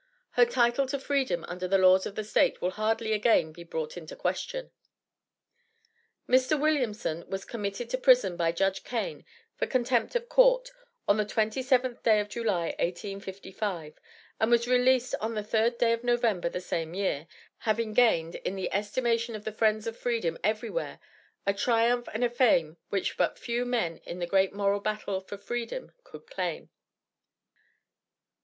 Her title to Freedom under the laws of the State will hardly again be brought into question." Mr. Williamson was committed to prison by Judge Kane for contempt of Court, on the 27th day of July, 1855, and was released on the 3d day of November the same year, having gained, in the estimation of the friends of Freedom every where, a triumph and a fame which but few men in the great moral battle for Freedom could claim.